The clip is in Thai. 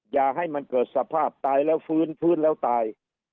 อย่าให้มันเกิดสภาพตายแล้วฟื้นฟื้นแล้วตาย